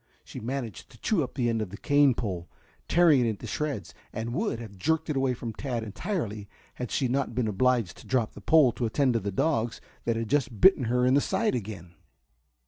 She managed to chew up the end of the cane pole, tearing it into shreds, and would have jerked it away from Tad entirely had she not been obliged to drop the pole to attend to the dogs that had just bitten her in the side again.